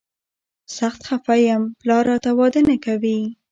سخت خفه یم، پلار راته واده نه کوي.